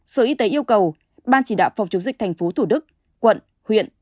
sở y tế yêu cầu ban chỉ đạo phòng chống dịch tp thủ đức quận huyện